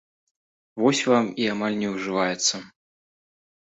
Вось вам, і амаль не ўжываецца.